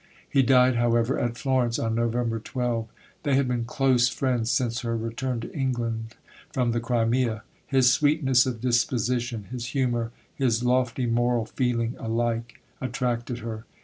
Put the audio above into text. He died, however, at Florence on November 12. They had been close friends since her return to England from the Crimea. His sweetness of disposition, his humour, his lofty moral feeling, alike attracted her.